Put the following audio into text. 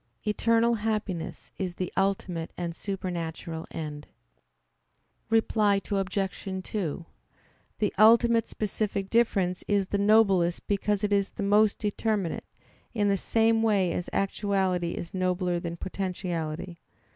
Eternal happiness is the ultimate and supernatural end. Reply Obj. 2: The ultimate specific difference is the noblest because it is the most determinate, in the same way as actuality is nobler than potentiality.